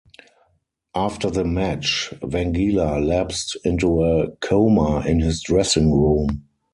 After the match, Wangila lapsed into a coma in his dressing room.